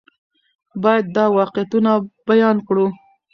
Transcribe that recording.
باید دا واقعیتونه بیان کړو.